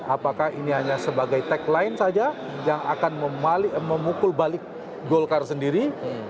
apakah ini hanya sebagai tagline saja yang akan memukul balik golkar sendiri